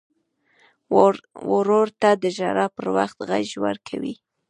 ورور ته د ژړا پر وخت غېږ ورکوي.